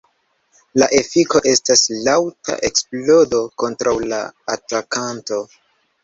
La efiko estas laŭta eksplodo kontraŭ la atakanto.